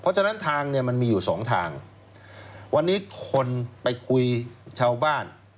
เพราะฉะนั้นทางเนี่ยมันมีอยู่สองทางวันนี้คนไปคุยชาวบ้าน